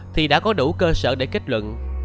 thì đã có đủ cơ sở để kết luận